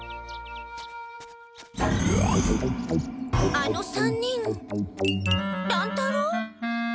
あの３人乱太郎！